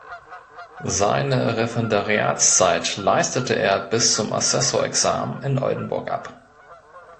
Seine Referendariatszeit leistete er bis zum Assessorexamen in Oldenburg ab.